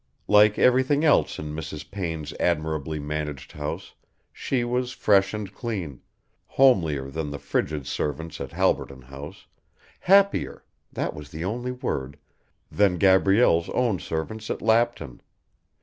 Like everything else in Mrs. Payne's admirably managed house she was fresh and clean, homelier than the frigid servants at Halberton House, happier that was the only word than Gabrielle's own servants at Lapton.